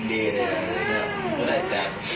พี่บ้านไหนตัดชาวให้บ้านดูนี้